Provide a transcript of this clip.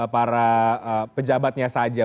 para pejabatnya saja